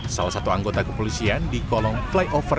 salah satu anggota kepolisian di kolong flyover